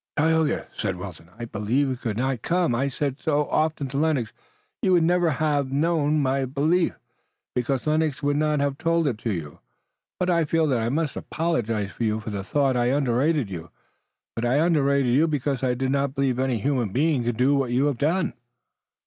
"Tayoga," said Wilton, "I believed you could not come. I said so often to Lennox. You would never have known my belief, because Lennox would not have told it to you, but I feel that I must apologize to you for the thought. I underrated you, but I underrated you because I did not believe any human being could do what you have done."